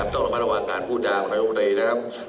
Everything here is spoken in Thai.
ต้องระวังการพูดจากมันธรรมดีนะครับ